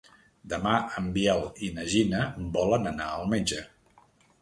Demà en Biel i na Gina volen anar al metge.